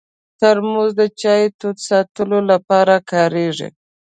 ترموز د چای تود ساتلو لپاره کارېږي.